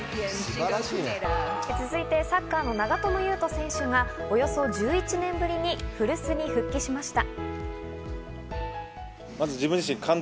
続いてサッカーの長友佑都選手がおよそ１１年ぶりに古巣に復帰しました。